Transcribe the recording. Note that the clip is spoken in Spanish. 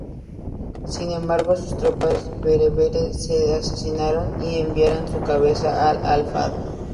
Sin embargo, sus tropas bereberes le asesinaron y enviaron su cabeza a al-Afdal.